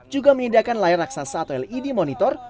juga menyediakan layar raksasa atau led monitor